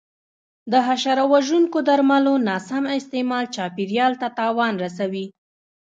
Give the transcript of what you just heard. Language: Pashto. د حشره وژونکو درملو ناسم استعمال چاپېریال ته تاوان رسوي.